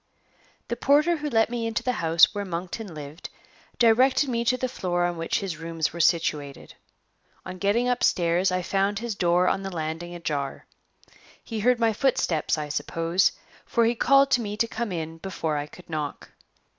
THE porter who let me into the house where Monkton lived directed me to the floor on which his rooms were situated. On getting upstairs, I found his door on the landing ajar. He heard my footsteps, I suppose, for he called to me to come in before I could knock.